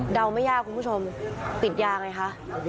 ไม่ยากคุณผู้ชมติดยาไงคะ